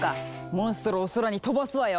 モンストロを空に飛ばすわよ！